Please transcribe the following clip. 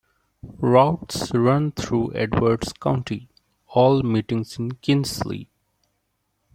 Routes run through Edwards County, all meeting in Kinsley.